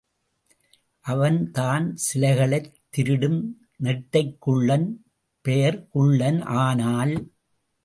அவன் தான் சிலைகளைத் திருடும் நெட்டைக்குள்ளன்— பெயர் குள்ளன் ஆனால்.